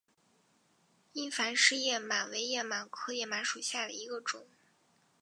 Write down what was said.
伊凡氏叶螨为叶螨科叶螨属下的一个种。